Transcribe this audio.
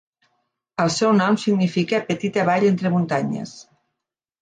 El seu nom significa 'petita vall entre muntanyes'.